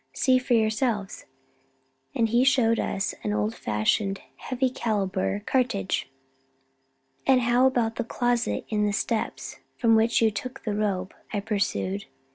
See for yourselves," and he showed us an old fashioned heavy calibre cartridge. "And how about the closet in the steps, from which you took the robe?" I pursued.